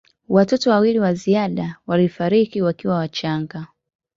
Watoto wawili wa ziada walifariki wakiwa wachanga.